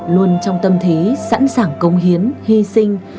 luôn trong tâm thí sẵn sàng cống hiến hy sinh